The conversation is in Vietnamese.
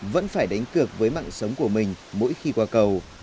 vẫn phải đánh cược với mạng sống của mình mỗi khi qua cầu